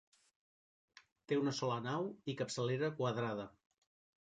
Té una sola nau i capçalera quadrada.